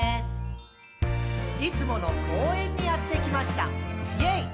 「いつもの公園にやってきました！イェイ！」